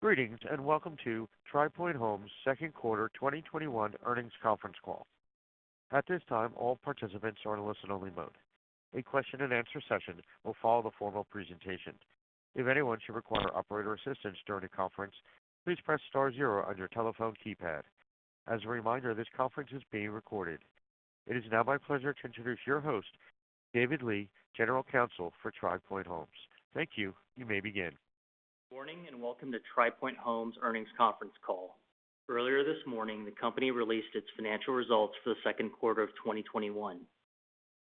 Greetings, and welcome to Tri Pointe Homes' second quarter 2021 earnings conference call. At this time all participants are on an listen only mode. A question and answer session will follow the formal presentation. If anyone should require an operators assistance during the conference please press star zero on your telephone keypad. As a reminder this conference is being recorded. It is now my pleasure to introduce your host, David Lee, General Counsel for Tri Pointe Homes. Thank you. You may begin. Good morning, welcome to Tri Pointe Homes' earnings conference call. Earlier this morning, the company released its financial results for the second quarter of 2021.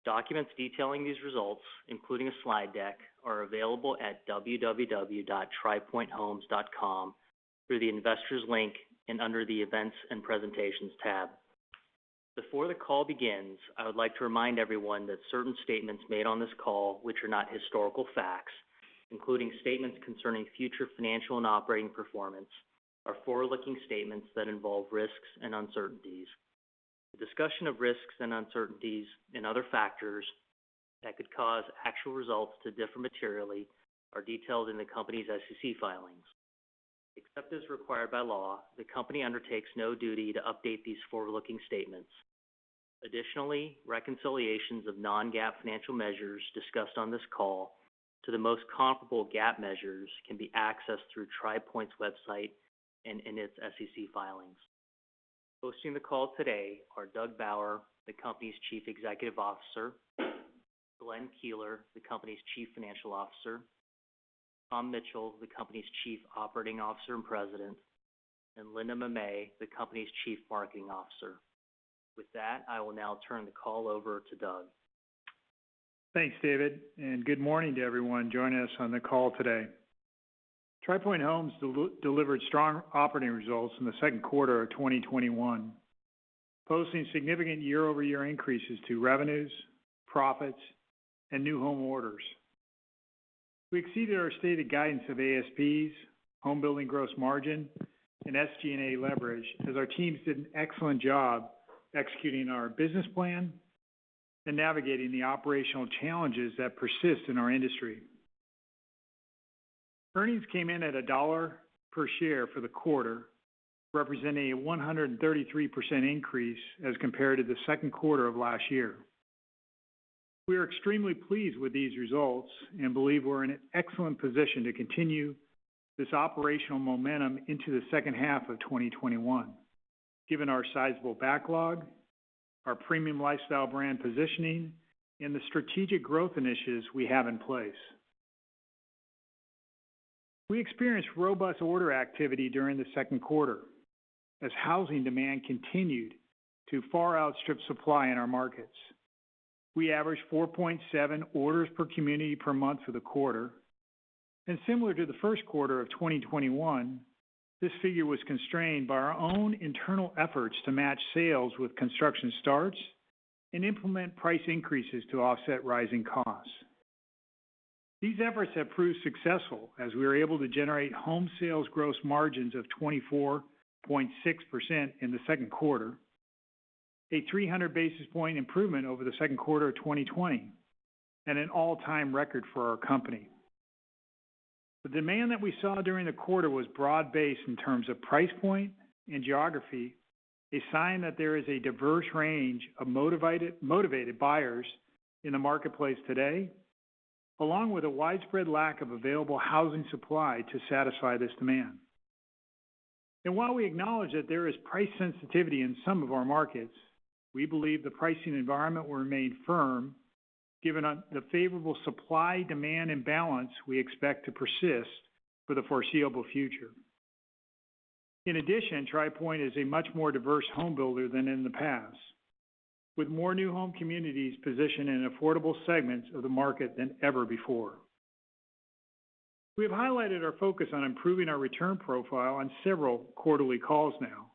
Documents detailing these results, including a slide deck, are available at www.tripointehomes.com through the investors link and under the events and presentations tab. Before the call begins, I would like to remind everyone that certain statements made on this call, which are not historical facts, including statements concerning future financial and operating performance, are forward-looking statements that involve risks and uncertainties. A discussion of risks and uncertainties and other factors that could cause actual results to differ materially are detailed in the company's SEC filings. Except as required by law, the company undertakes no duty to update these forward-looking statements. Additionally, reconciliations of non-GAAP financial measures discussed on this call to the most comparable GAAP measures can be accessed through Tri Pointe's website and in its SEC filings. Hosting the call today are Doug Bauer, the company's Chief Executive Officer, Glenn Keeler, the company's Chief Financial Officer, Tom Mitchell, the company's Chief Operating Officer and President, and Linda Mamet, the company's Chief Marketing Officer. With that, I will now turn the call over to Doug. Thanks, David, and good morning to everyone joining us on the call today. Tri Pointe Homes delivered strong operating results in the second quarter of 2021, posting significant year-over-year increases to revenues, profits, and new home orders. We exceeded our stated guidance of ASPs, home building gross margin, and SG&A leverage as our teams did an excellent job executing our business plan and navigating the operational challenges that persist in our industry. Earnings came in at $1 per share for the quarter, representing a 133% increase as compared to the second quarter of last year. We are extremely pleased with these results and believe we're in an excellent position to continue this operational momentum into the second half of 2021, given our sizable backlog, our premium lifestyle brand positioning, and the strategic growth initiatives we have in place. We experienced robust order activity during the second quarter as housing demand continued to far outstrip supply in our markets. We averaged 4.7 orders per community per month for the quarter, and similar to the first quarter of 2021, this figure was constrained by our own internal efforts to match sales with construction starts and implement price increases to offset rising costs. These efforts have proved successful as we were able to generate home sales gross margins of 24.6% in the second quarter, a 300 basis point improvement over the second quarter of 2020, and an all-time record for our company. The demand that we saw during the quarter was broad-based in terms of price point and geography, a sign that there is a diverse range of motivated buyers in the marketplace today, along with a widespread lack of available housing supply to satisfy this demand. While we acknowledge that there is price sensitivity in some of our markets, we believe the pricing environment will remain firm given the favorable supply-demand imbalance we expect to persist for the foreseeable future. In addition, Tri Pointe is a much more diverse home builder than in the past, with more new home communities positioned in affordable segments of the market than ever before. We have highlighted our focus on improving our return profile on several quarterly calls now,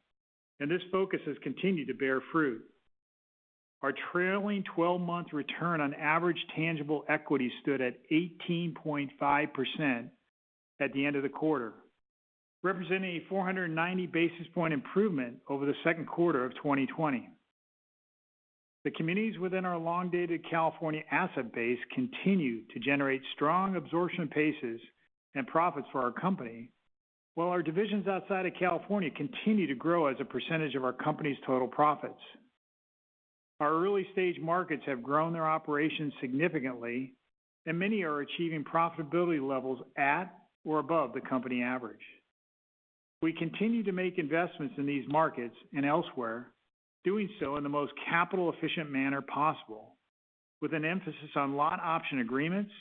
and this focus has continued to bear fruit. Our trailing 12-month return on average tangible equity stood at 18.5% at the end of the quarter, representing a 490 basis point improvement over the second quarter of 2020. The communities within our long-dated California asset base continue to generate strong absorption paces and profits for our company, while our divisions outside of California continue to grow as a percentage of our company's total profits. Our early-stage markets have grown their operations significantly, and many are achieving profitability levels at or above the company average. We continue to make investments in these markets and elsewhere, doing so in the most capital-efficient manner possible, with an emphasis on lot option agreements,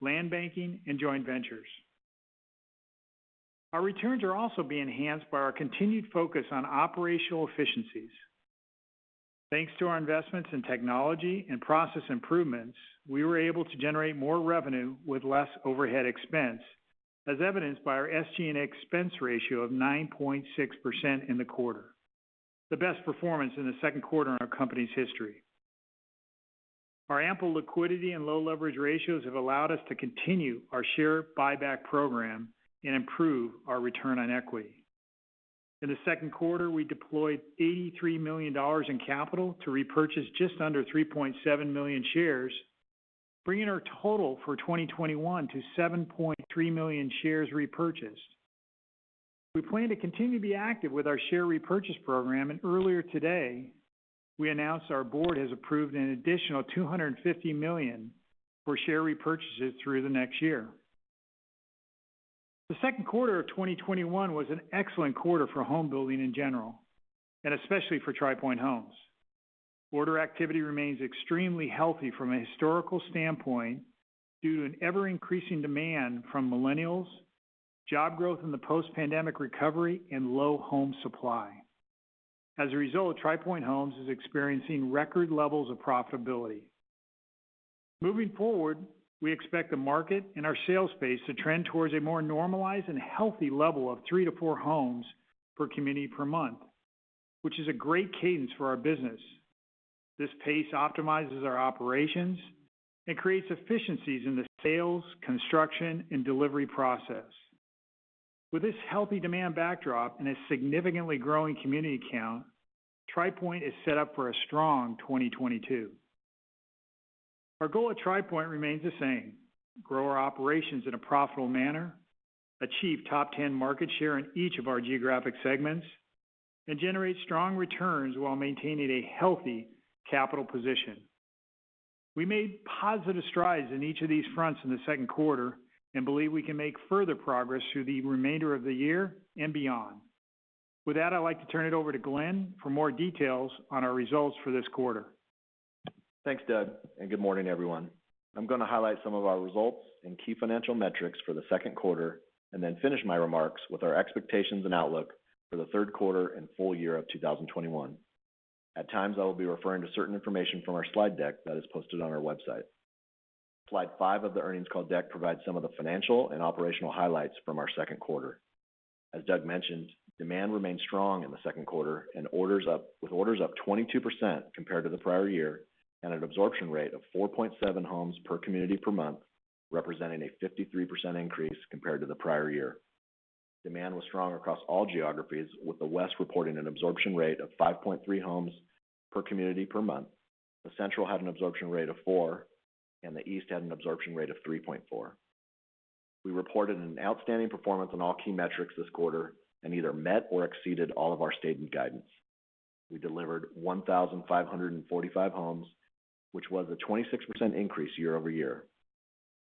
land banking, and joint ventures. Our returns are also being enhanced by our continued focus on operational efficiencies. Thanks to our investments in technology and process improvements, we were able to generate more revenue with less overhead expense, as evidenced by our SG&A expense ratio of 9.6% in the quarter, the best performance in the second quarter in our company's history. Our ample liquidity and low leverage ratios have allowed us to continue our share buyback program and improve our return on equity. In the second quarter, we deployed $83 million in capital to repurchase just under 3.7 million shares, bringing our total for 2021 to 7.3 million shares repurchased. We plan to continue to be active with our share repurchase program. Earlier today, we announced our board has approved an additional $250 million for share repurchases through the next year. The second quarter of 2021 was an excellent quarter for home building in general. Especially for Tri Pointe Homes. Order activity remains extremely healthy from a historical standpoint due to an ever-increasing demand from millennials, job growth in the post-pandemic recovery, and low home supply. As a result, Tri Pointe Homes is experiencing record levels of profitability. Moving forward, we expect the market and our sales pace to trend towards a more normalized and healthy level of three-four homes per community per month, which is a great cadence for our business. This pace optimizes our operations and creates efficiencies in the sales, construction, and delivery process. With this healthy demand backdrop and a significantly growing community count, Tri Pointe is set up for a strong 2022. Our goal at Tri Pointe remains the same, grow our operations in a profitable manner, achieve top 10 market share in each of our geographic segments, and generate strong returns while maintaining a healthy capital position. We made positive strides in each of these fronts in the second quarter and believe we can make further progress through the remainder of the year and beyond. With that, I'd like to turn it over to Glenn for more details on our results for this quarter. Thanks, Doug. Good morning, everyone. I'm going to highlight some of our results and key financial metrics for the second quarter and then finish my remarks with our expectations and outlook for the third quarter and full year of 2021. At times, I will be referring to certain information from our slide deck that is posted on our website. Slide 5 of the earnings call deck provides some of the financial and operational highlights from our second quarter. As Doug mentioned, demand remained strong in the second quarter with orders up 22% compared to the prior year and an absorption rate of 4.7 homes per community per month, representing a 53% increase compared to the prior year. Demand was strong across all geographies, with the West reporting an absorption rate of 5.3 homes per community per month. The Central had an absorption rate of four. The East had an absorption rate of 3.4. We reported an outstanding performance on all key metrics this quarter and either met or exceeded all of our stated guidance. We delivered 1,545 homes, which was a 26% increase year-over-year.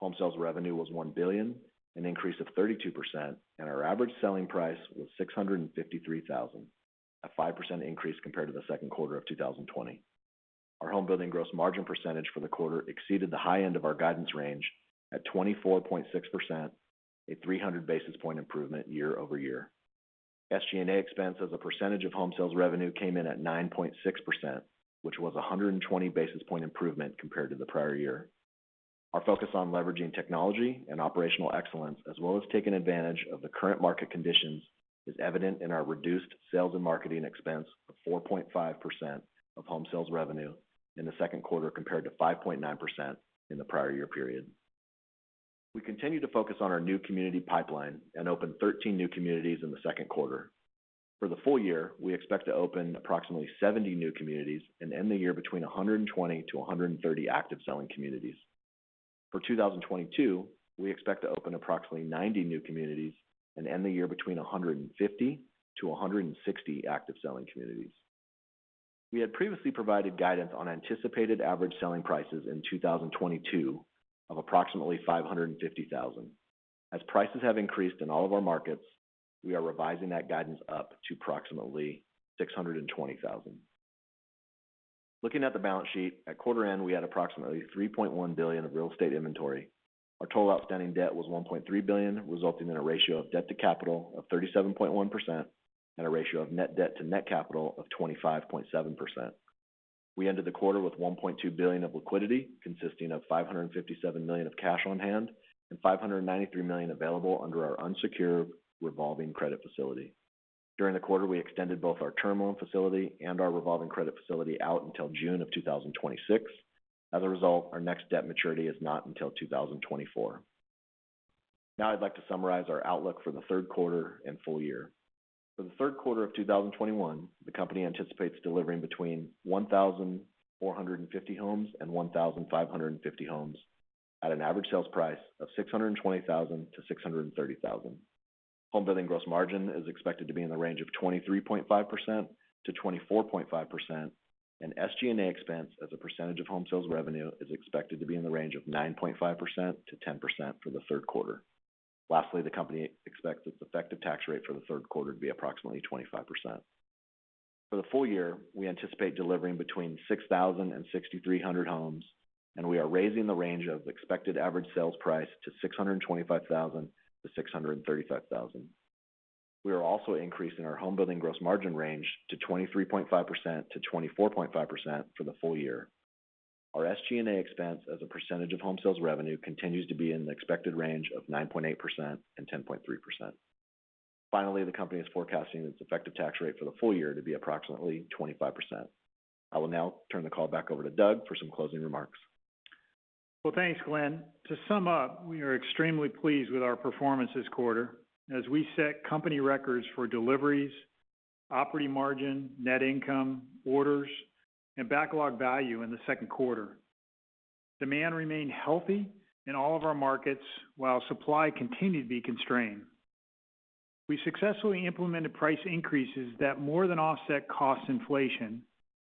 Home sales revenue was $1 billion, an increase of 32%. Our average selling price was $653,000, a 5% increase compared to the second quarter of 2020. Our homebuilding gross margin percentage for the quarter exceeded the high end of our guidance range at 24.6%, a 300 basis point improvement year-over-year. SG&A expense as a percentage of home sales revenue came in at 9.6%, which was 120 basis point improvement compared to the prior year. Our focus on leveraging technology and operational excellence as well as taking advantage of the current market conditions is evident in our reduced sales and marketing expense of 4.5% of home sales revenue in the second quarter compared to 5.9% in the prior year period. We continue to focus on our new community pipeline and opened 13 new communities in the second quarter. For the full year, we expect to open approximately 70 new communities and end the year between 120 to 130 active selling communities. For 2022, we expect to open approximately 90 new communities and end the year between 150 to 160 active selling communities. We had previously provided guidance on anticipated average selling prices in 2022 of approximately $550,000. As prices have increased in all of our markets, we are revising that guidance up to approximately $620,000. Looking at the balance sheet, at quarter end, we had approximately $3.1 billion of real estate inventory. Our total outstanding debt was $1.3 billion, resulting in a ratio of debt to capital of 37.1% and a ratio of net debt to net capital of 25.7%. We ended the quarter with $1.2 billion of liquidity, consisting of $557 million of cash on hand and $593 million available under our unsecured revolving credit facility. During the quarter, we extended both our term loan facility and our revolving credit facility out until June of 2026. As a result, our next debt maturity is not until 2024. I'd like to summarize our outlook for the third quarter and full year. For the third quarter of 2021, the company anticipates delivering between 1,450 homes and 1,550 homes at an average sales price of $620,000-$630,000. Homebuilding gross margin is expected to be in the range of 23.5%-24.5%, and SG&A expense as a percentage of home sales revenue is expected to be in the range of 9.5%-10% for the third quarter. Lastly, the company expects its effective tax rate for the third quarter to be approximately 25%. For the full year, we anticipate delivering between 6,000 and 6,300 homes, and we are raising the range of expected average sales price to $625,000-$635,000. We are also increasing our homebuilding gross margin range to 23.5%-24.5% for the full year. Our SG&A expense as a percentage of home sales revenue continues to be in the expected range of 9.8% and 10.3%. Finally, the company is forecasting its effective tax rate for the full year to be approximately 25%. I will now turn the call back over to Doug for some closing remarks. Well, thanks, Glenn. To sum up, we are extremely pleased with our performance this quarter as we set company records for deliveries, operating margin, net income, orders, and backlog value in the second quarter. Demand remained healthy in all of our markets while supply continued to be constrained. We successfully implemented price increases that more than offset cost inflation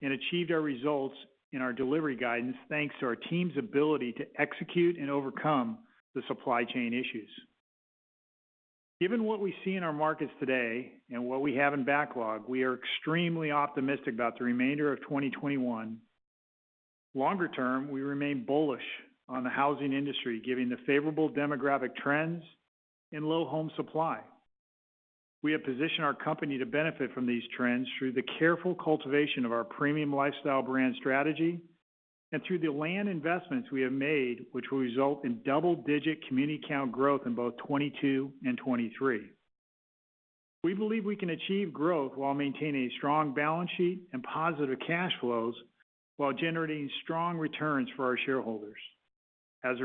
and achieved our results in our delivery guidance thanks to our team's ability to execute and overcome the supply chain issues. Given what we see in our markets today and what we have in backlog, we are extremely optimistic about the remainder of 2021. Longer term, we remain bullish on the housing industry, given the favorable demographic trends and low home supply. We have positioned our company to benefit from these trends through the careful cultivation of our premium lifestyle brand strategy and through the land investments we have made, which will result in double-digit community count growth in both 2022 and 2023. We believe we can achieve growth while maintaining a strong balance sheet and positive cash flows while generating strong returns for our shareholders. As a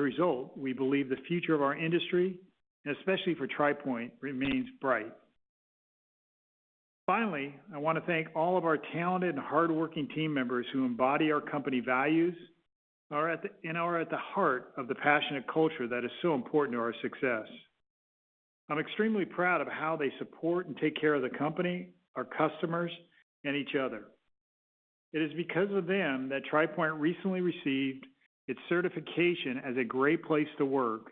result, we believe the future of our industry, and especially for Tri Pointe, remains bright. Finally, I want to thank all of our talented, hardworking team members who embody our company values and are at the heart of the passionate culture that is so important to our success. I'm extremely proud of how they support and take care of the company, our customers, and each other. It is because of them that Tri Pointe recently received its certification as a Great Place To Work,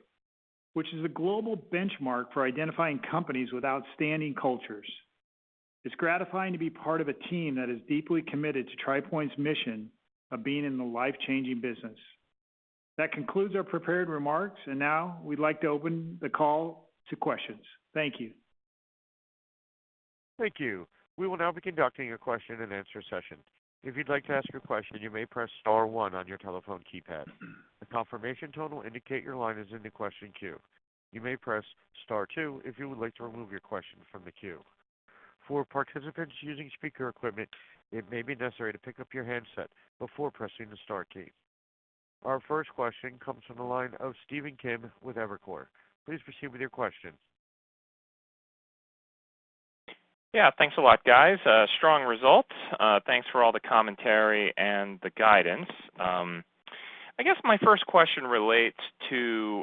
which is a global benchmark for identifying companies with outstanding cultures. It's gratifying to be part of a team that is deeply committed to Tri Pointe's mission of being in the life-changing business. That concludes our prepared remarks. Now we'd like to open the call to questions. Thank you. Thank you. We will now be conducting a question and answer session. If you'd like to ask your question, you may press star one on your telephone keypad. A confirmation tone will indicate your line is in the question queue. You may press star two if you would like to remove your question from the queue. For participants using speaker equipment, it may be necessary to pick up your handset before pressing the star key. Our first question comes from the line of Stephen Kim with Evercore ISI. Please proceed with your question. Yeah. Thanks a lot, guys. Strong results. Thanks for all the commentary and the guidance. I guess my first question relates to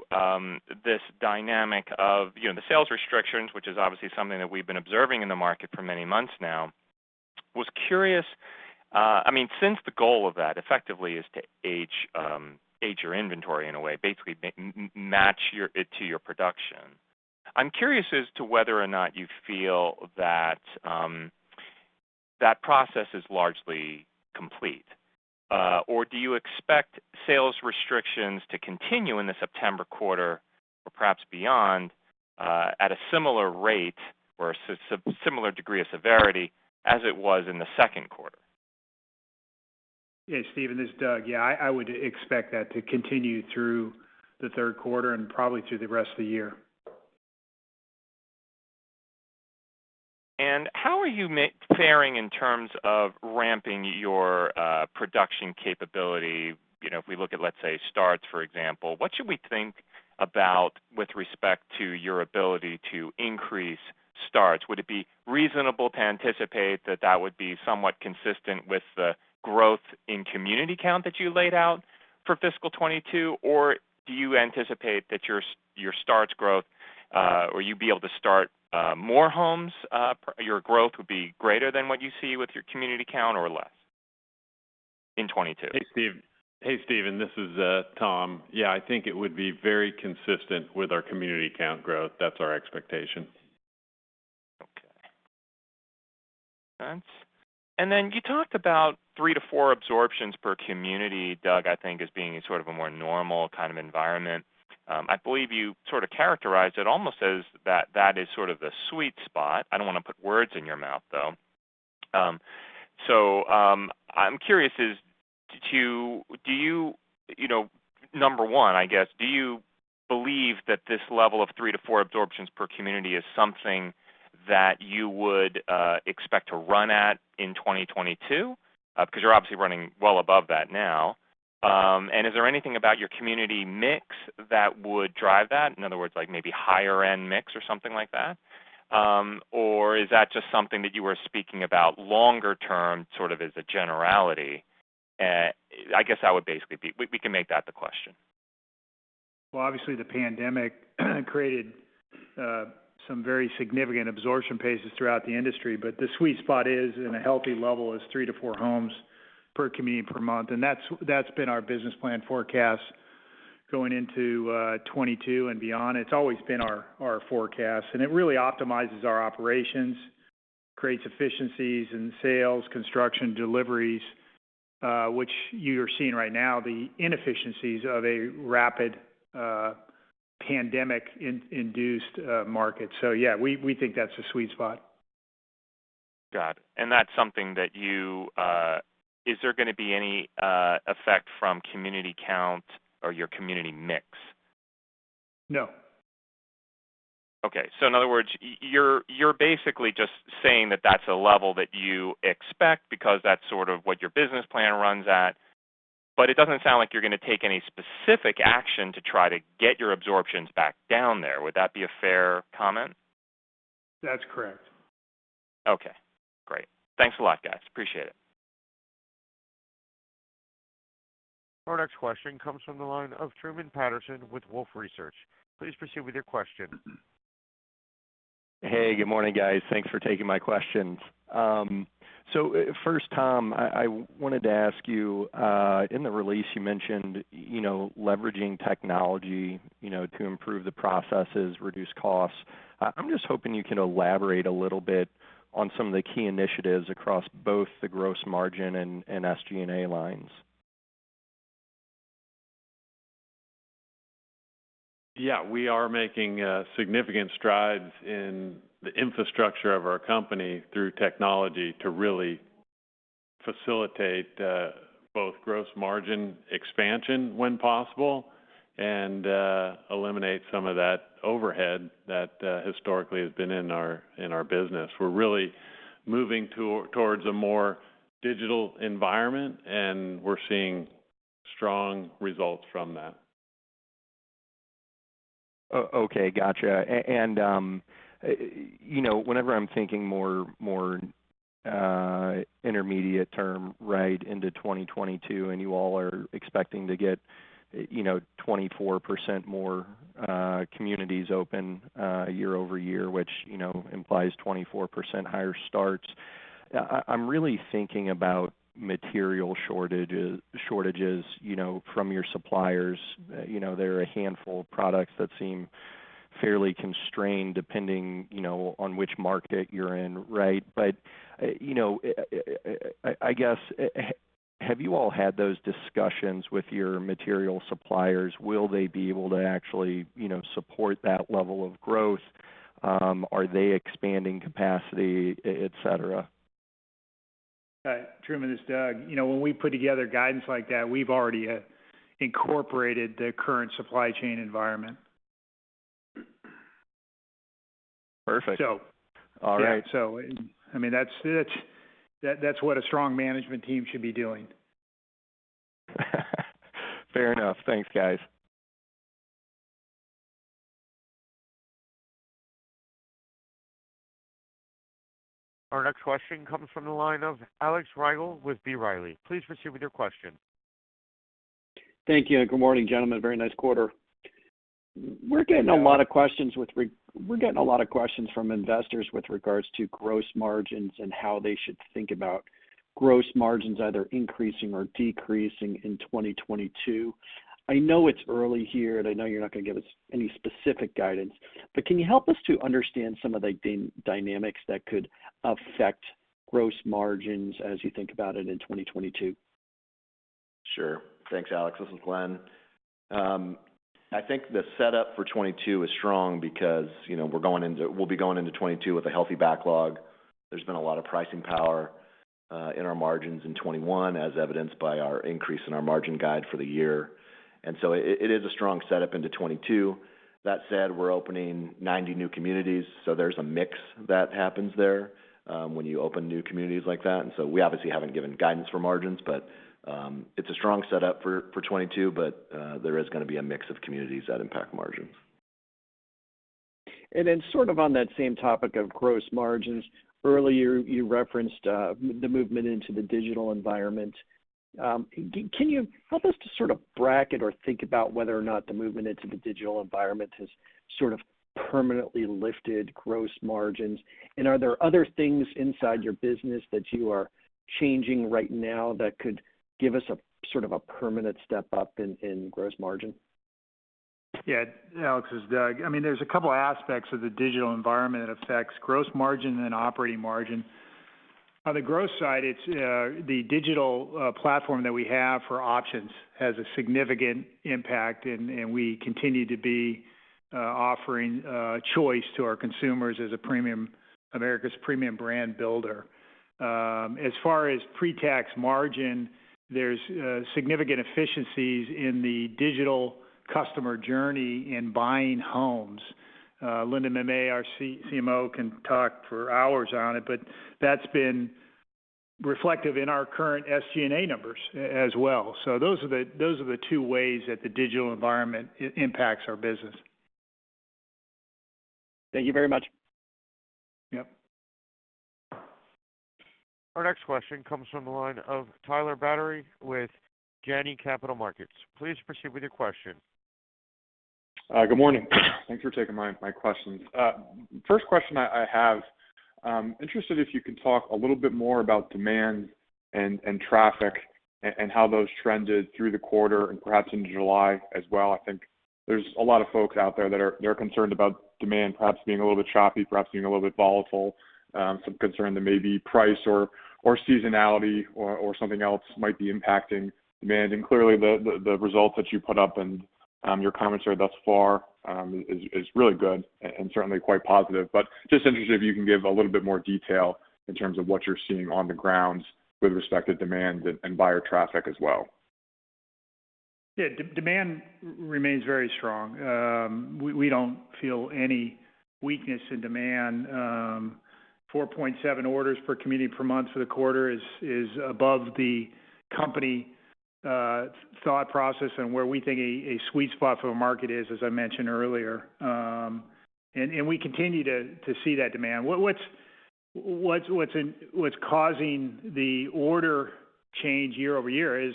this dynamic of the sales restrictions, which is obviously something that we've been observing in the market for many months now. I was curious, since the goal of that effectively is to age your inventory in a way, basically match it to your production. I'm curious as to whether or not you feel that that process is largely complete, or do you expect sales restrictions to continue in the September quarter or perhaps beyond at a similar rate or a similar degree of severity as it was in the second quarter? Yeah, Stephen, this is Doug Bauer. I would expect that to continue through the third quarter and probably through the rest of the year. How are you faring in terms of ramping your production capability? If we look at, let's say, starts, for example, what should we think about with respect to your ability to increase starts? Would it be reasonable to anticipate that that would be somewhat consistent with the growth in community count that you laid out for fiscal 2022 or do you anticipate that your starts growth, or you'd be able to start more homes, your growth would be greater than what you see with your community count or less in 2022? Hey, Stephen. This is Tom. Yeah, I think it would be very consistent with our community count growth. That's our expectation. Okay. Then you talked about three to four absorptions per community, Doug, I think, as being sort of a more normal kind of environment. I believe you sort of characterized it almost as that is sort of the sweet spot. I don't want to put words in your mouth, though. I'm curious as to do you, number one, I guess, do you believe that this level of three to four absorptions per community is something that you would expect to run at in 2022 because you're obviously running well above that now? Is there anything about your community mix that would drive that? In other words, maybe higher end mix or something like that or is that just something that you were speaking about longer term, sort of as a generality? We can make that the question. Well, obviously the pandemic created some very significant absorption paces throughout the industry. The sweet spot is in a healthy level, is three-four homes per community per month, and that's been our business plan forecast going into 2022 and beyond. It's always been our forecast, and it really optimizes our operations, creates efficiencies in sales, construction, deliveries, which you're seeing right now, the inefficiencies of a rapid pandemic-induced market. Yeah, we think that's the sweet spot. Got it. Is there going to be any effect from community count or your community mix? No. Okay. In other words, you're basically just saying that that's a level that you expect because that's sort of what your business plan runs at, but it doesn't sound like you're going to take any specific action to try to get your absorptions back down there. Would that be a fair comment? That's correct. Okay, great. Thanks a lot, guys. Appreciate it. Our next question comes from the line of Truman Patterson with Wolfe Research. Please proceed with your question. Hey, good morning, guys. Thanks for taking my questions. First, Tom, I wanted to ask you, in the release you mentioned leveraging technology to improve the processes, reduce costs. I'm just hoping you can elaborate a little bit on some of the key initiatives across both the gross margin and SG&A lines. Yeah, we are making significant strides in the infrastructure of our company through technology to really facilitate both gross margin expansion when possible and eliminate some of that overhead that historically has been in our business. We're really moving towards a more digital environment, and we're seeing strong results from that. Okay, got you. Whenever I'm thinking more intermediate term right into 2022, you all are expecting to get 24% more communities open year-over-year, which implies 24% higher starts, I'm really thinking about material shortages from your suppliers. There are a handful of products that seem fairly constrained depending on which market you're in, right? I guess, have you all had those discussions with your material suppliers? Will they be able to actually support that level of growth? Are they expanding capacity, et cetera? Truman, this is Doug. When we put together guidance like that, we've already incorporated the current supply chain environment. Perfect. So- All right. Yeah. I mean, that's what a strong management team should be doing. Fair enough. Thanks, guys. Our next question comes from the line of Alex Rygiel with B. Riley, please proceed with your question. Thank you, and good morning, gentlemen. Very nice quarter. Thanks, Alex. We're getting a lot of questions from investors with regards to gross margins and how they should think about gross margins either increasing or decreasing in 2022. I know it's early here, and I know you're not going to give us any specific guidance, but can you help us to understand some of the dynamics that could affect gross margins as you think about it in 2022? Sure. Thanks, Alex. This is Glenn. I think the setup for 2022 is strong because we'll be going into 2022 with a healthy backlog. There's been a lot of pricing power in our margins in 2021, as evidenced by our increase in our margin guide for the year. It is a strong setup into 2022. That said, we're opening 90 new communities, so there's a mix that happens there when you open new communities like that. We obviously haven't given guidance for margins, but it's a strong setup for 2022, but there is going to be a mix of communities that impact margins. Sort of on that same topic of gross margins, earlier you referenced the movement into the digital environment. Can you help us to sort of bracket or think about whether or not the movement into the digital environment has sort of permanently lifted gross margins? Are there other things inside your business that you are changing right now that could give us a sort of a permanent step-up in gross margin? Alex, this is Doug. There's a couple aspects of the digital environment that affects gross margin and operating margin. On the growth side, it's the digital platform that we have for options has a significant impact, and we continue to be offering choice to our consumers as America's premium brand builder. As far as pre-tax margin, there's significant efficiencies in the digital customer journey in buying homes. Linda Mamet, our CMO, can talk for hours on it, but that's been reflective in our current SG&A numbers as well. Those are the two ways that the digital environment impacts our business. Thank you very much. Yep. Our next question comes from the line of Tyler Batory with Janney Montgomery Scott. Please proceed with your question. Good morning. Thanks for taking my questions. First question I have, interested if you can talk a little bit more about demand and traffic and how those trended through the quarter and perhaps into July as well. I think there's a lot of folks out there that are concerned about demand perhaps being a little bit choppy, perhaps being a little bit volatile. Some concern that maybe price or seasonality or something else might be impacting demand. Clearly the results that you put up and your commentary thus far is really good and certainly quite positive. Just interested if you can give a little bit more detail in terms of what you're seeing on the ground with respect to demand and buyer traffic as well. Demand remains very strong. We don't feel any weakness in demand. 4.7 orders per community per month for the quarter is above the company thought process and where we think a sweet spot for the market is, as I mentioned earlier. We continue to see that demand. What's causing the order change year-over-year is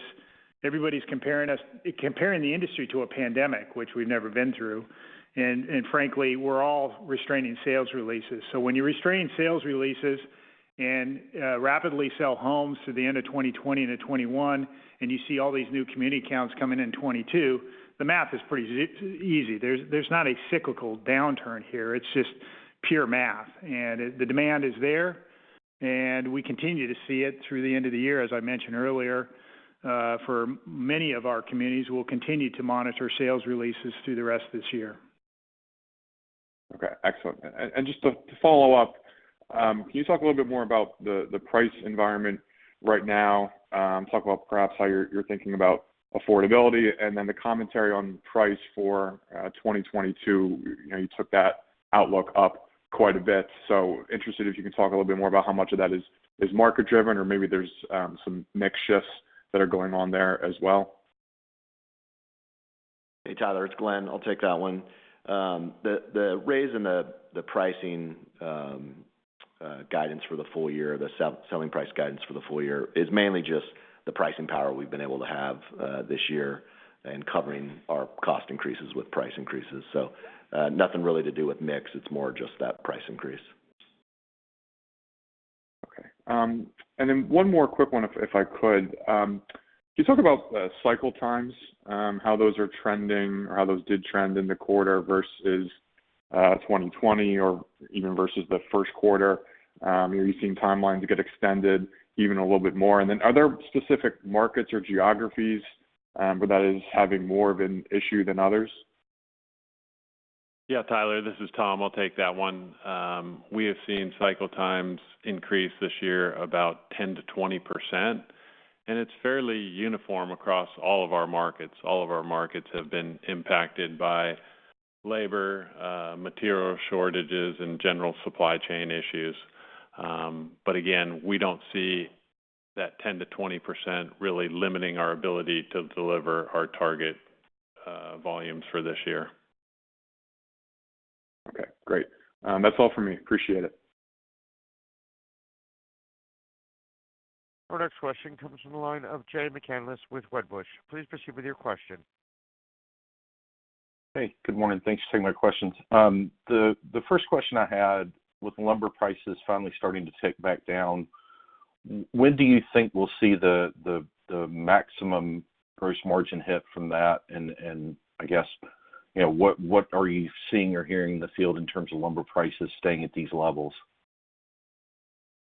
everybody's comparing the industry to a pandemic, which we've never been through. Frankly, we're all restraining sales releases. When you restrain sales releases and rapidly sell homes through the end of 2020 into 2021, and you see all these new community counts coming in 2022, the math is pretty easy. There's not a cyclical downturn here. It's just pure math. The demand is there, and we continue to see it through the end of the year, as I mentioned earlier. For many of our communities, we'll continue to monitor sales releases through the rest of this year. Okay. Excellent. Just to follow up, can you talk a little bit more about the price environment right now? Talk about perhaps how you're thinking about affordability and then the commentary on price for 2022. You took that outlook up quite a bit. Interested if you can talk a little bit more about how much of that is market-driven or maybe there's some mix shifts that are going on there as well. Hey, Tyler, it's Glenn. I'll take that one. The raise in the pricing guidance for the full year, the selling price guidance for the full year, is mainly just the pricing power we've been able to have this year and covering our cost increases with price increases. Nothing really to do with mix. It's more just that price increase. Okay. One more quick one, if I could. Can you talk about cycle times, how those are trending or how those did trend in the quarter versus 2020 or even versus the first quarter? Are you seeing timelines get extended even a little bit more? Are there specific markets or geographies where that is having more of an issue than others? Yeah, Tyler, this is Tom. I'll take that one. We have seen cycle times increase this year about 10%-20%. It's fairly uniform across all of our markets. All of our markets have been impacted by labor, material shortages, and general supply chain issues. Again, we don't see that 10%-20% really limiting our ability to deliver our target volumes for this year. Okay, great. That's all for me. Appreciate it. Our next question comes from the line of Jay McCanless with Wedbush. Please proceed with your question. Hey, good morning. Thanks for taking my questions. The first question I had, with lumber prices finally starting to tick back down, when do you think we'll see the maximum gross margin hit from that? I guess, what are you seeing or hearing in the field in terms of lumber prices staying at these levels?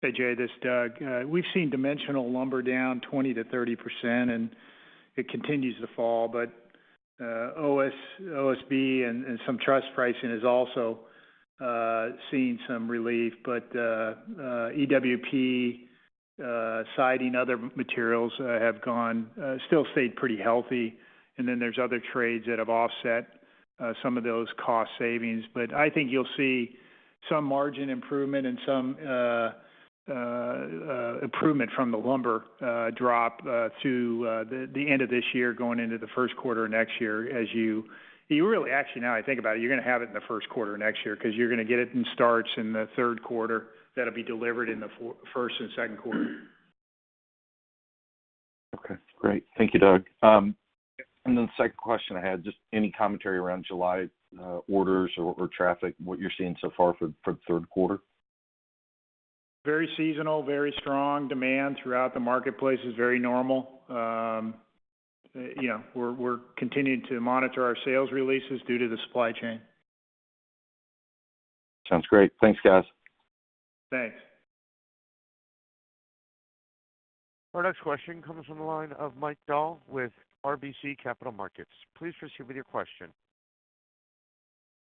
Hey, Jay, this is Doug. We've seen dimensional lumber down 20%-30%, and it continues to fall. OSB and some truss pricing is also seeing some relief. EWP, siding, other materials have still stayed pretty healthy. There's other trades that have offset some of those cost savings. I think you'll see some margin improvement and some improvement from the lumber drop to the end of this year going into the first quarter of next year, as you actually, now I think about it, you're going to have it in the first quarter of next year because you're going to get it in starts in the third quarter that'll be delivered in the first and second quarter. Okay, great. Thank you, Doug. The second question I had, just any commentary around July orders or traffic, what you're seeing so far for the third quarter? Very seasonal, very strong demand throughout the marketplace. It's very normal. We're continuing to monitor our sales releases due to the supply chain. Sounds great. Thanks, guys. Thanks. Our next question comes from the line of Mike Dahl with RBC Capital Markets. Please proceed with your question.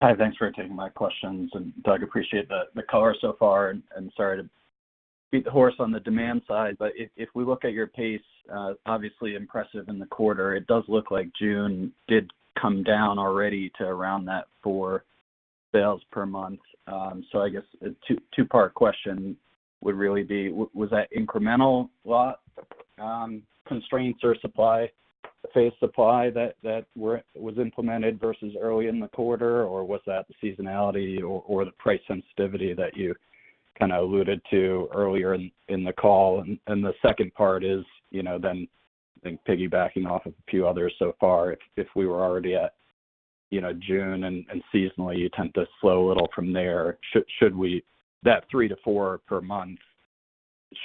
Hi, thanks for taking my questions. Doug, appreciate the color so far, and sorry to beat the horse on the demand side. If we look at your pace, obviously impressive in the quarter, it does look like June did come down already to around that four sales per month. I guess a two-part question would really be, was that incremental lot constraints or supply, phase supply that was implemented versus early in the quarter, or was that the seasonality or the price sensitivity that you kind of alluded to earlier in the call? The second part is then piggybacking off of a few others so far. If we were already at June and seasonally, you tend to slow a little from there. That three-four per month,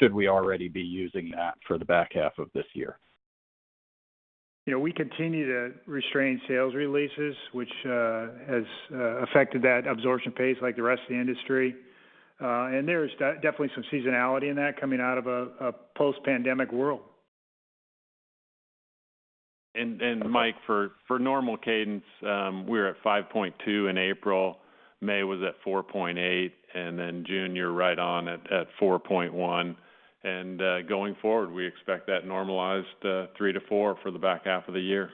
should we already be using that for the back half of this year? We continue to restrain sales releases, which has affected that absorption pace like the rest of the industry. There's definitely some seasonality in that coming out of a post-pandemic world. Mike, for normal cadence, we were at 5.2 in April, May was at 4.8, and then June you're right on at 4.1. Going forward, we expect that normalized three-four for the back half of the year.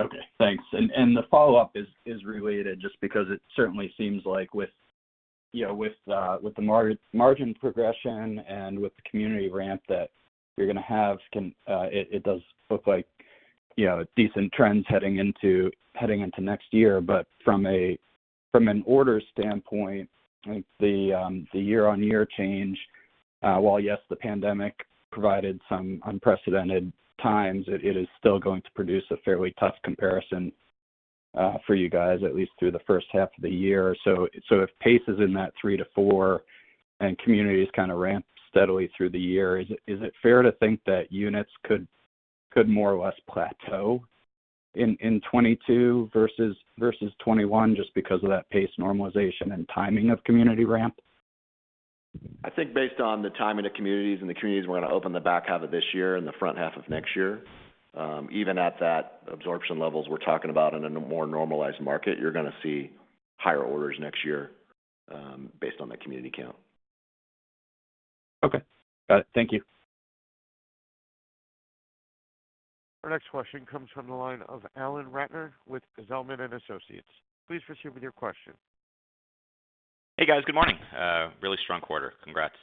Okay, thanks. The follow-up is related just because it certainly seems like with the margin progression and with the community ramp that you're going to have, it does look like decent trends heading into next year. From an order standpoint, the year-over-year change, while yes, the pandemic provided some unprecedented times, it is still going to produce a fairly tough comparison for you guys, at least through the first half of the year. If pace is in that three to four and communities kind of ramp steadily through the year, is it fair to think that units could more or less plateau in 2022 versus 2021 just because of that pace normalization and timing of community ramp? I think based on the timing of communities and the communities we're going to open the back half of this year and the front half of next year, even at that absorption levels we're talking about in a more normalized market, you're going to see higher orders next year based on the community count. Okay. Got it. Thank you. Our next question comes from the line of Alan Ratner with Zelman & Associates. Please proceed with your question. Hey, guys. Good morning. Really strong quarter. Congrats.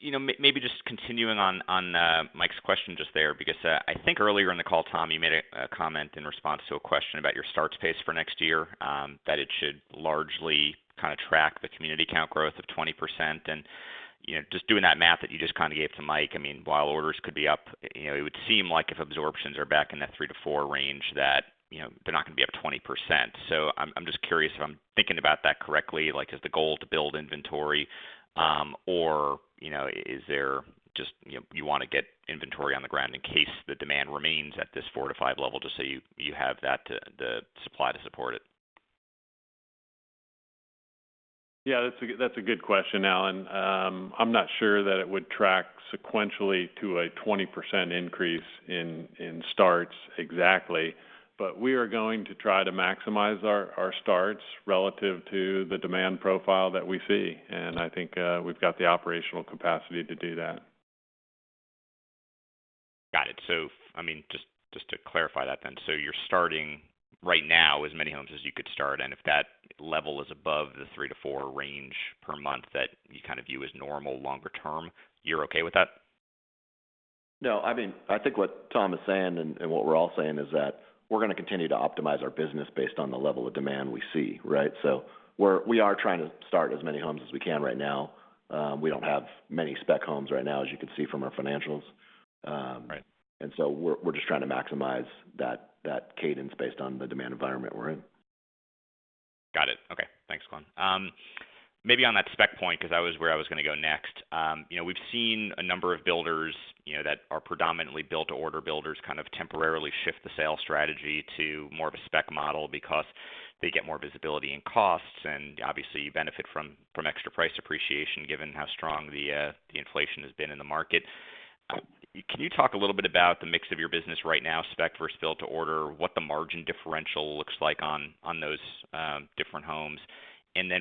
Maybe just continuing on Mike's question just there, because I think earlier in the call, Tom, you made a comment in response to a question about your starts pace for next year, that it should largely kind of track the community count growth of 20%. Just doing that math that you just gave to Mike, while orders could be up, it would seem like if absorptions are back in that three-four range, that they're not going to be up 20%. I'm just curious if I'm thinking about that correctly. Is the goal to build inventory? Is there just, you want to get inventory on the ground in case the demand remains at this four-five level, just so you have that to supply to support it? Yeah, that's a good question, Alan. I'm not sure that it would track sequentially to a 20% increase in starts exactly. We are going to try to maximize our starts relative to the demand profile that we see. I think we've got the operational capacity to do that. Got it. Just to clarify that then? You're starting right now as many homes as you could start, and if that level is above the three-four range per month that you kind of view as normal longer term, you're okay with that? No, I think what Tom is saying, and what we're all saying is that we're going to continue to optimize our business based on the level of demand we see, right? We are trying to start as many homes as we can right now. We don't have many spec homes right now, as you can see from our financials. Right. We're just trying to maximize that cadence based on the demand environment we're in. Got it. Okay. Thanks, Glenn. On that spec point, because that was where I was going to go next. We've seen a number of builders that are predominantly build-to-order builders kind of temporarily shift the sales strategy to more of a spec model because they get more visibility in costs and obviously you benefit from extra price appreciation given how strong the inflation has been in the market. Can you talk a little bit about the mix of your business right now, spec versus build to order, what the margin differential looks like on those different homes?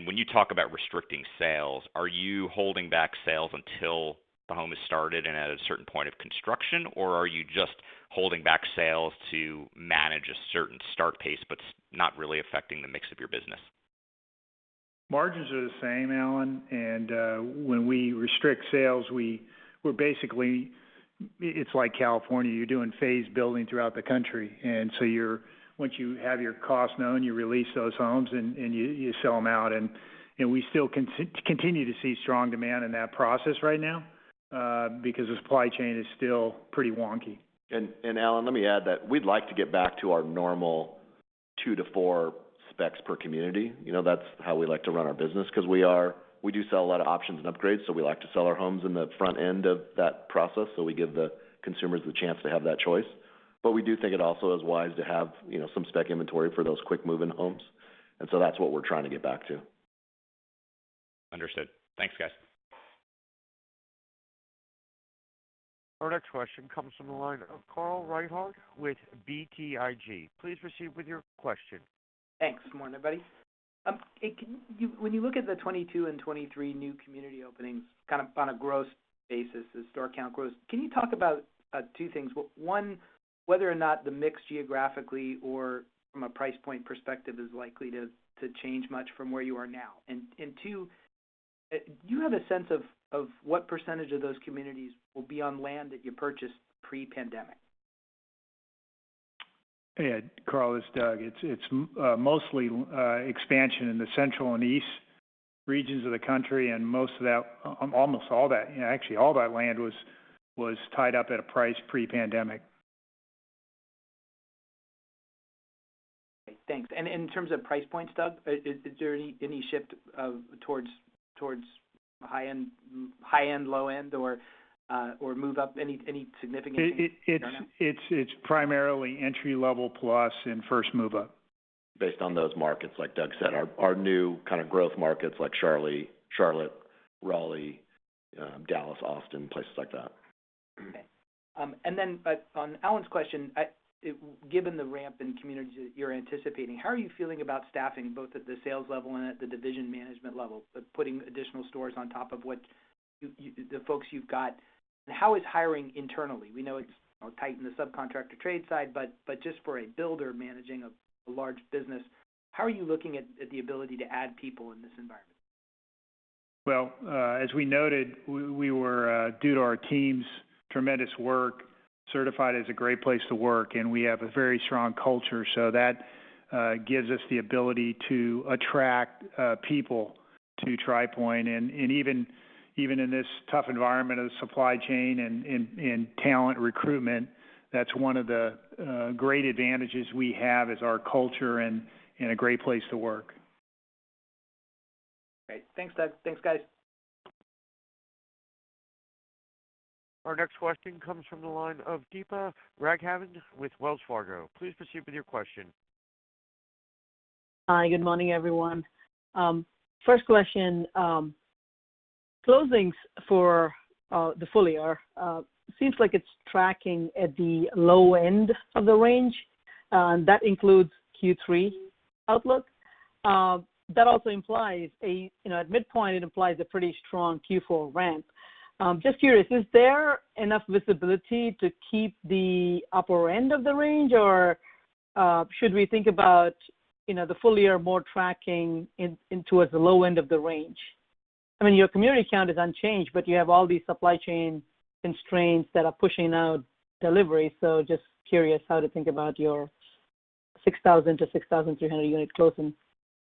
When you talk about restricting sales, are you holding back sales until the home is started and at a certain point of construction, or are you just holding back sales to manage a certain start pace, but not really affecting the mix of your business? Margins are the same, Alan, and when we restrict sales, we're basically, it's like California, you're doing phased building throughout the country. Once you have your costs known, you release those homes and you sell them out, and we still continue to see strong demand in that process right now because the supply chain is still pretty wonky. Alan, let me add that we'd like to get back to our normal two to four specs per community. That's how we like to run our business because we do sell a lot of options and upgrades, so we like to sell our homes in the front end of that process, so we give the consumers the chance to have that choice. We do think it also is wise to have some spec inventory for those quick move-in homes. That's what we're trying to get back to. Understood. Thanks, guys. Our next question comes from the line of Carl Reichardt with BTIG. Please proceed with your question. Thanks. Good morning, everybody. When you look at the 2022 and 2023 new community openings kind of on a gross basis, the store count gross, can you talk about two things? One. Whether or not the mix geographically or from a price point perspective is likely to change much from where you are now. Two. Do you have a sense of what percentage of those communities will be on land that you purchased pre-pandemic? Yeah, Carl, this is Doug. It's mostly expansion in the central and east regions of the country, and most of that, almost all that, actually all that land was tied up at a price pre-pandemic. Okay, thanks. In terms of price points, Doug, is there any shift towards high end, low end or move up, any significant change right now? It's primarily entry level plus and first move up. Based on those markets, like Doug said, our new kind of growth markets like Charlotte, Raleigh, Dallas, Austin, places like that. Okay. On Alan's question, given the ramp in communities that you're anticipating, how are you feeling about staffing, both at the sales level and at the division management level, putting additional stores on top of the folks you've got. How is hiring internally? We know it's tight in the subcontractor trade side, just for a builder managing a large business, how are you looking at the ability to add people in this environment? Well, as we noted, due to our team's tremendous work, we were certified as a Great Place To Work, and we have a very strong culture. That gives us the ability to attract people to Tri Pointe. Even in this tough environment of the supply chain and talent recruitment, that's one of the great advantages we have is our culture and a Great Place To Work. Great. Thanks, Doug. Thanks, guys. Our next question comes from the line of Deepa Raghavan with Wells Fargo. Please proceed with your question. Hi, good morning, everyone. First question, closings for the full year seems like it's tracking at the low end of the range. That includes Q3 outlook. At midpoint, it implies a pretty strong Q4 ramp. Just curious, is there enough visibility to keep the upper end of the range, or should we think about the full year more tracking towards the low end of the range? Your community count is unchanged, but you have all these supply chain constraints that are pushing out delivery. Just curious how to think about your 6,000 to 6,300 unit closing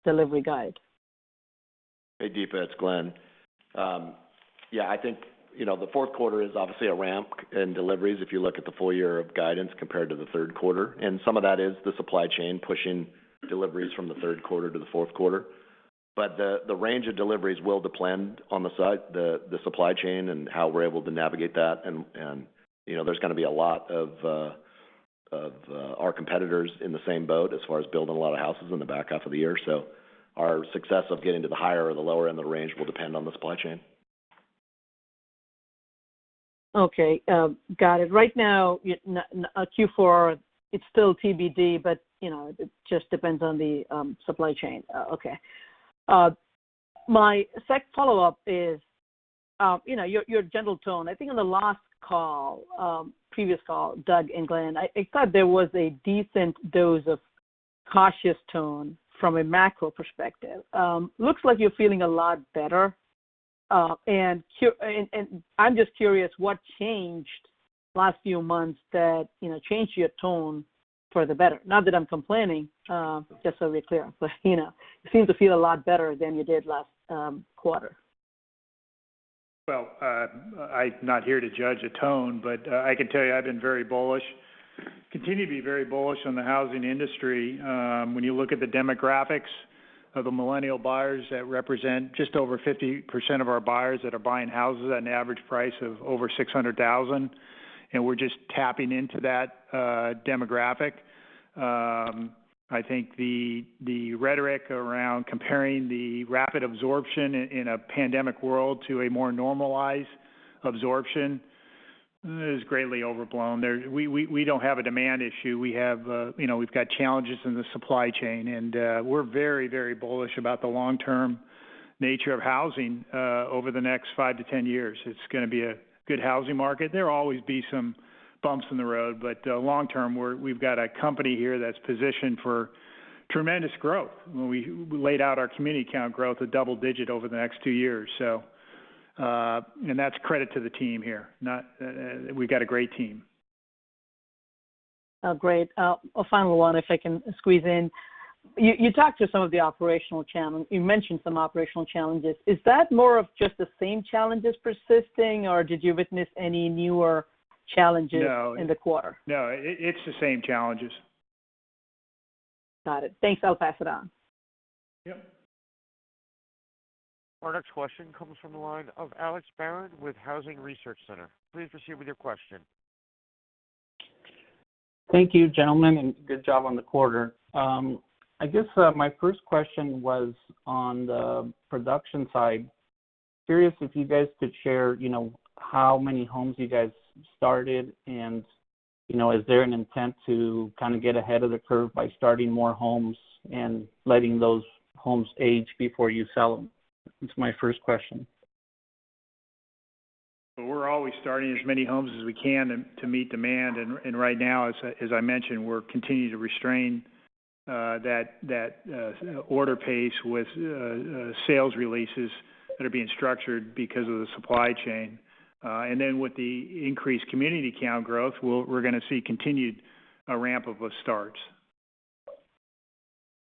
delivery guide. Hey, Deepa, it's Glenn. Yeah, I think, the fourth quarter is obviously a ramp in deliveries if you look at the full year of guidance compared to the third quarter. Some of that is the supply chain pushing deliveries from the third quarter to the fourth quarter. The range of deliveries will depend on the supply chain and how we're able to navigate that. There's going to be a lot of our competitors in the same boat as far as building a lot of houses in the back half of the year. Our success of getting to the higher or the lower end of the range will depend on the supply chain. Okay. Got it. Right now, Q4, it's still TBD, but it just depends on the supply chain. Okay. My second follow-up is, your gentle tone. I think on the last call, previous call, Doug and Glenn, I thought there was a decent dose of cautious tone from a macro perspective. Looks like you're feeling a lot better. I'm just curious what changed last few months that changed your tone for the better? Not that I'm complaining, just so we're clear. You seem to feel a lot better than you did last quarter. Well, I'm not here to judge a tone. I can tell you I've been very bullish, continue to be very bullish on the housing industry. When you look at the demographics of the millennial buyers that represent just over 50% of our buyers that are buying houses at an average price of over $600,000. We're just tapping into that demographic. I think the rhetoric around comparing the rapid absorption in a pandemic world to a more normalized absorption is greatly overblown. We don't have a demand issue. We've got challenges in the supply chain. We're very bullish about the long-term nature of housing over the next five to 10 years. It's going to be a good housing market. There'll always be some bumps in the road. Long-term, we've got a company here that's positioned for tremendous growth. When we laid out our community count growth, a double-digit over the next two years. That's credit to the team here. We've got a great team. Oh, great. A final one if I can squeeze in. You talked to some of the operational challenge. You mentioned some operational challenges. Is that more of just the same challenges persisting, or did you witness any newer challenges- No.... in the quarter? No. It's the same challenges. Got it. Thanks. I'll pass it on. Yep. Our next question comes from the line of Alex Barron with Housing Research Center. Please proceed with your question. Thank you, gentlemen, and good job on the quarter. I guess my first question was on the production side. Curious if you guys could share how many homes you guys started, and is there an intent to kind of get ahead of the curve by starting more homes and letting those homes age before you sell them? That's my first question. Well, we're always starting as many homes as we can to meet demand. Right now, as I mentioned, we're continuing to restrain that order pace with sales releases that are being structured because of the supply chain. Then with the increased community count growth, we're going to see continued ramp of a start.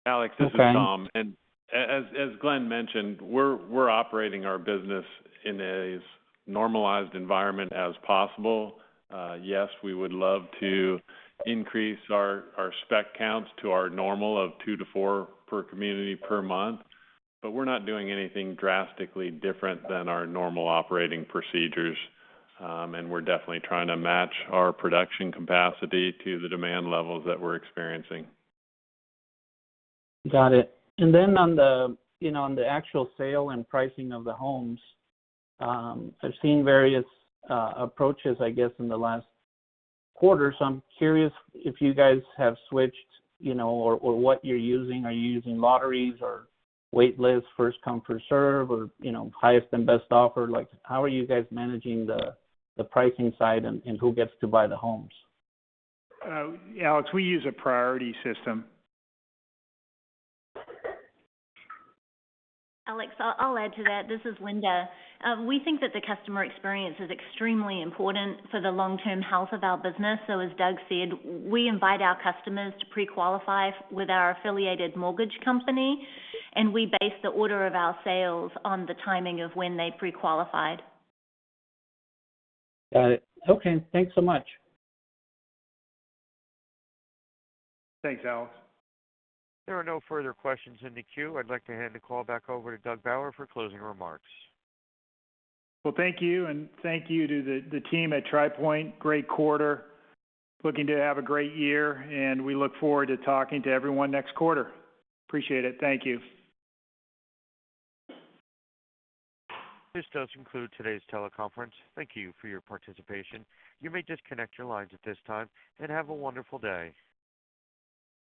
Alex, this is Tom. Okay. As Glenn mentioned, we're operating our business in as normalized environment as possible. Yes, we would love to increase our spec counts to our normal of two-four per community per month, but we're not doing anything drastically different than our normal operating procedures. We're definitely trying to match our production capacity to the demand levels that we're experiencing. Got it. On the actual sale and pricing of the homes, I've seen various approaches, I guess, in the last quarter. I'm curious if you guys have switched or what you're using. Are you using lotteries or wait lists, first come first serve, or highest and best offer? How are you guys managing the pricing side and who gets to buy the homes? Alex, we use a priority system. Alex, I'll add to that. This is Linda. We think that the customer experience is extremely important for the long-term health of our business. As Doug said, we invite our customers to pre-qualify with our affiliated mortgage company, and we base the order of our sales on the timing of when they pre-qualified. Got it. Okay, thanks so much. Thanks, Alex. There are no further questions in the queue. I'd like to hand the call back over to Doug Bauer for closing remarks. Thank you, and thank you to the team at Tri Pointe. Great quarter. Looking to have a great year, and we look forward to talking to everyone next quarter. Appreciate it. Thank you. This does conclude today's teleconference. Thank you for your participation. You may disconnect your lines at this time, and have a wonderful day.